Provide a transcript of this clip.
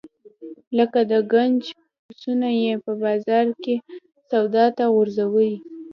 لکه د ګنج پسونه یې په بازار کې سودا ته غورځوي.